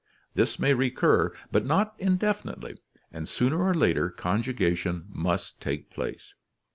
This may recur, but not indefinitely, and sooner or later conjugation must take place.